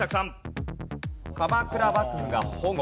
鎌倉幕府が保護。